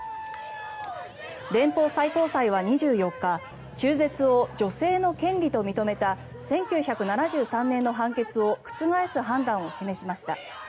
連邦最高裁は２４日中絶を女性の権利と認めた１９７３年の判決を覆す判断を示しました。